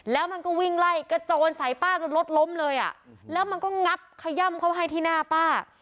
แล้วมันก็วิ่งไล่กระโจนใส่ป้าจนรถล้มเลยอ่ะแล้วมันก็งับขย่ำเขาให้ที่หน้าป้า